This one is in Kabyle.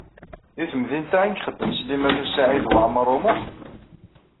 Di temdint-a i ixeddem Sliman U Saɛid Waɛmaṛ U Muḥ?